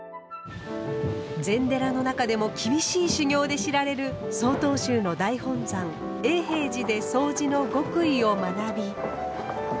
禅寺の中でも厳しい修行で知られる曹洞宗の大本山永平寺でそうじの極意を学び